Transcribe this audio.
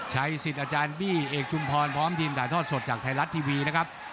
ชัยสิทธิ์อาจารย์บี้เอกชุมพรพร้อมทีมถ่ายทอดสดจากไทยรัฐทีวีนะครับ